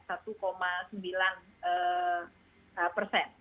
begitu juga di indonesia